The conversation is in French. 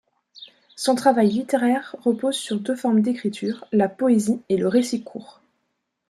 Son travail littéraire repose sur deux formes d'écriture, la poésie et le récit court.